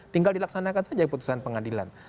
tinggal dilaksanakan saja putusan pengadilan